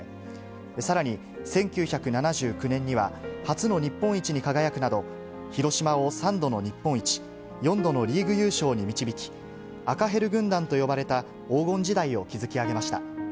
さらに１９７９年には、初の日本一に輝くなど、広島を３度の日本一、４度のリーグ優勝に導き、赤ヘル軍団と呼ばれた黄金時代を築き上げました。